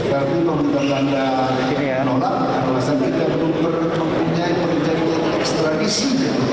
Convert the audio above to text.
tapi untuk belanda kita belum mempunyai penjajah ekstradisi